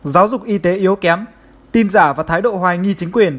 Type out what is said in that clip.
giáo dục y tế yếu kém tin giả và thái độ hoài nghi chính quyền